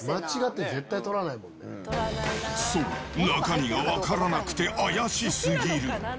そう、中身が分からなくて怪しすぎる。